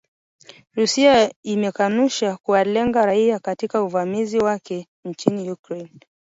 Russia imekanusha kuwalenga raia katika uvamizi wake nchini Ukraine